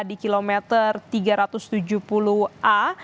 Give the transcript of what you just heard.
di kilometer tiga ratus tujuh puluh a